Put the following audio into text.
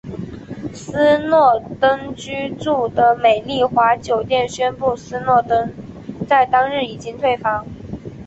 斯诺登居住的美丽华酒店宣布斯诺登在当日已经退房。